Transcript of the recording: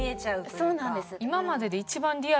そうなんです。